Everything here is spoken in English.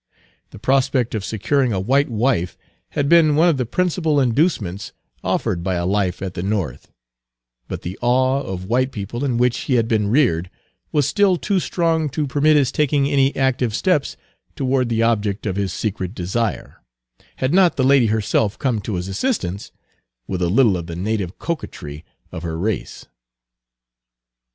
The prospect of securing a white Page 243 wife had been one of the principal inducements offered by a life at the North; but the awe of white people in which he had been reared was still too strong to permit his taking any active steps toward the object of his secret desire, had not the lady herself come to his assistance with a little of the native coquetry of her race.